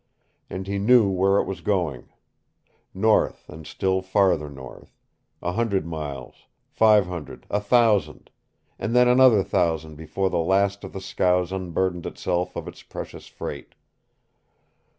And he knew where it was going north, and still farther north; a hundred miles, five hundred, a thousand and then another thousand before the last of the scows unburdened itself of its precious freight.